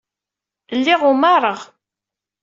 Lliɣ umareɣ.